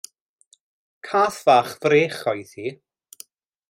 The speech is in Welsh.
Cath fach frech oedd hi.